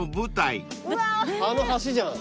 あの橋じゃん。